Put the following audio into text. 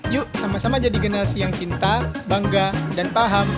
yuk sama sama jadi generasi yang cinta bangga dan paham